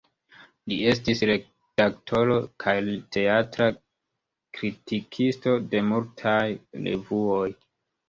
Li estis redaktoro kaj teatra kritikisto de multaj revuoj.